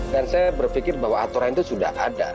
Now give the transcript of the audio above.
dan saya berpikir bahwa aturan itu sudah ada